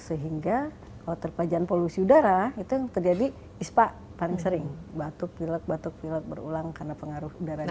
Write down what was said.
sehingga kalau terpajan polusi udara itu terjadi ispa paling sering batuk dilek batuk dilek berulang karena pengaruh udara di udara